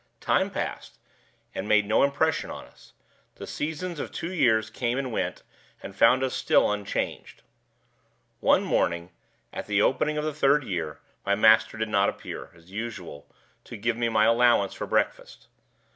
Time passed, and made no impression on us; the seasons of two years came and went, and found us still unchanged. One morning, at the opening of the third year, my master did not appear, as usual, to give me my allowance for breakfast.